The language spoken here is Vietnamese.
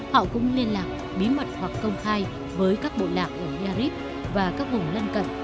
họ cũng liên lạc bí mật hoặc công khai với các bộ lạc ở yarif và các vùng lân cận